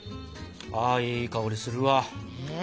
あいい香りするわ。